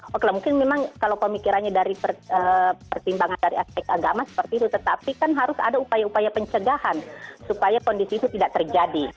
oke mungkin memang kalau pemikirannya dari pertimbangan dari aspek agama seperti itu tetapi kan harus ada upaya upaya pencegahan supaya kondisi itu tidak terjadi